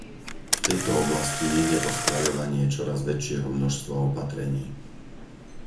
V tejto oblasti nejde o schvaľovanie čoraz väčšieho množstva opatrení.